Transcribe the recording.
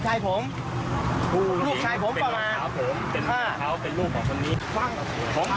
แล้วเขาก็เกาะรถแล้วพ่อก็ขับรถ